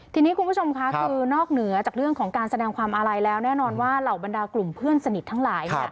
ทีนี้คุณผู้ชมค่ะคือนอกเหนือจากเรื่องของการแสดงความอาลัยแล้วแน่นอนว่าเหล่าบรรดากลุ่มเพื่อนสนิททั้งหลาย